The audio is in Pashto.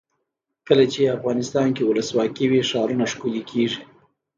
کله چې افغانستان کې ولسواکي وي ښارونه ښکلي کیږي.